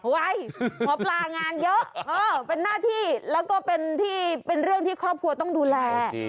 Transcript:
หมอปลางานเยอะเป็นหน้าที่แล้วก็เป็นเรื่องที่ครอบครัวต้องดูแล